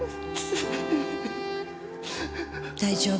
大丈夫。